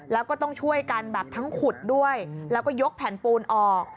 แล้วก็ต้องช่วยกันแบบทั้งขุดด้วยแล้วก็ยกแผ่นปูนออก